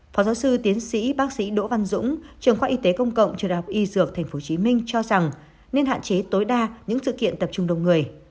phó giáo sư tiến sĩ bác sĩ đỗ văn dũng trường khoa y tế công cộng trường đại học y dược tp hcm cho rằng nên hạn chế tối đa những sự kiện tập trung đông người